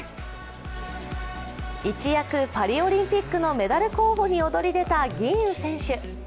一躍パリオリンピックのメダル候補に躍り出た吟雲選手。